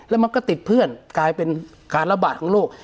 แล้วมันก็ติดเพื่อนกลายเป็นการระบาดของโรค